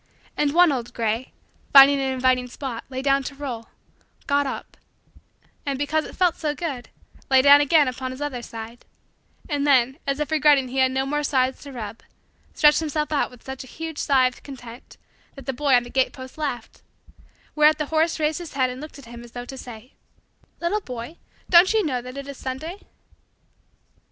And one old gray, finding an inviting spot, lay down to roll got up and, because it felt so good, lay down again upon his other side; and then, as if regretting that he had no more sides to rub, stretched himself out with such a huge sigh of content that the boy on the gate post laughed; whereat the horse raised his head and looked at him as though to say: "Little boy, don't you know that it is Sunday?"